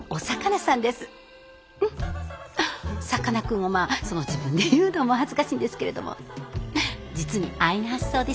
さかなクンをまあその自分で言うのも恥ずかしいんですけれども実に安易な発想です。